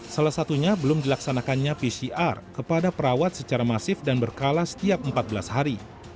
salah satunya belum dilaksanakannya pcr kepada perawat secara masif dan berkala setiap empat belas hari